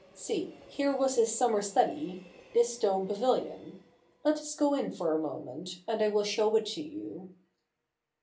See — here was his summer study — this stone pavilion. Let us go in for a moment, and I will show it to you.'